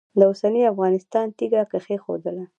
د اوسني افغانستان تیږه کښېښودله.